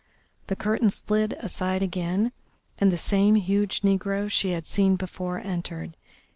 The curtain slid aside again, and the same huge negro she had seen before entered.